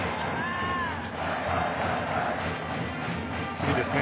次ですね。